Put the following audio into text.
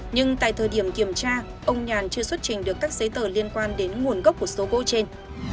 nhưng tại thời điểm kiểm tra ông nhàn chưa xuất trình được các giấy tờ liên quan đến nguồn gốc của số gỗ trên